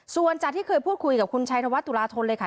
ส่วนจากที่เคยพูดคุยกับคุณชัยธวัฒนตุลาธนเลยค่ะ